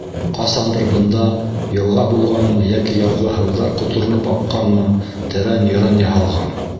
Ҡасандыр бында йылға булғанмы йәки яҙғы һыуҙар ҡотороноп аҡҡанмы, тәрән йырын яһалған.